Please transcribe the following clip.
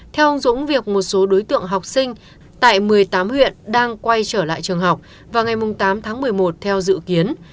theo ông dũng việc một số đối tượng học sinh tại một mươi tám huyện đang quay trở lại trường học vào ngày tám tháng một mươi một theo dự kiến